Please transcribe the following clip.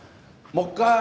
もっかい！